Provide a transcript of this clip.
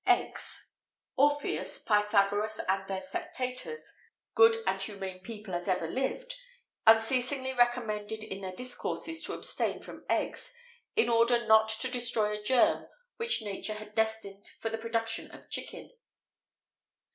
[XVIII 63] EGGS. Orpheus, Pythagoras, and their sectators good and humane people as ever lived unceasingly recommended in their discourses to abstain from eggs, in order not to destroy a germ which nature had destined for the production of chicken.